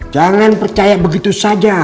jangan percaya begitu saja